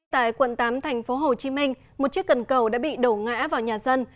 tại quận tám thành phố hồ chí minh một chiếc cần cầu đã bị đổ ngã vào nhà dân